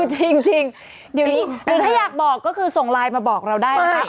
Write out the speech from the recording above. จริงเดี๋ยวนี้หรือถ้าอยากบอกก็คือส่งไลน์มาบอกเราได้นะคะ